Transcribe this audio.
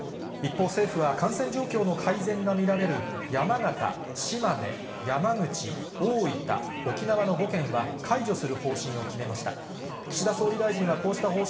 一方、政府は感染状況の改善が見られる山形、島根、山口、大分、沖縄の５県は、解除する方針を決めました。